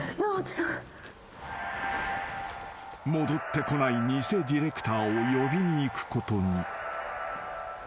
［戻ってこない偽ディレクターを呼びに行くことに］